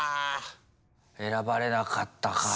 選ばれなかったかぁ。